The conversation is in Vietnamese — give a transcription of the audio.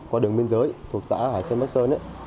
qua đường biên giới thuộc xã hải sơn